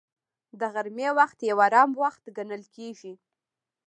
د غرمې وخت یو آرام وخت ګڼل کېږي